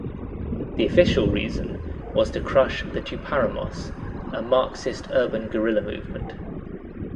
The official reason was to crush the "Tupamaros", a Marxist urban guerrilla movement.